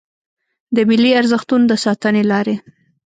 د ملي ارزښتونو د ساتنې لارې